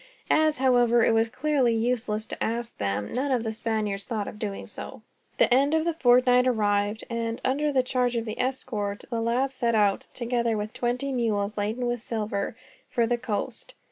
As, however, it was clearly useless to ask them, none of the Spaniards thought of doing so. The end of the fortnight arrived and, under the charge of the escort, the lads set out, together with twenty mules laden with silver, for the coast.